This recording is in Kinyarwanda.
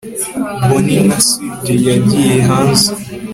bonnie na clyde yagiye hanze